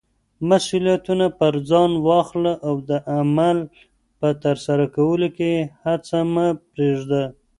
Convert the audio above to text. مسولیتونه پر ځان واخله او د عمل په ترسره کولو کې هڅه مه پریږده.